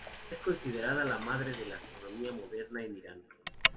Es considerada la madre de la astronomía moderna en Irán.